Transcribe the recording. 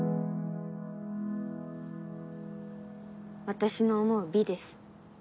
私の思う美です